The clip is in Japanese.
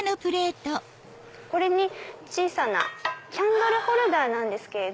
これに小さなキャンドルホルダーなんですけど。